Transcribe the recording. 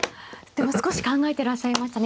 でも少し考えてらっしゃいましたね。